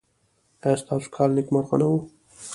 ایا ستاسو کال نیکمرغه نه و؟